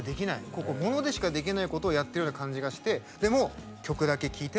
ここ物でしかできないことをやってるような感じがしてでも曲だけ聴いてもすばらしいという。